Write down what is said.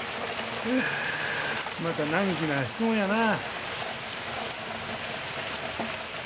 また難儀な質問やな。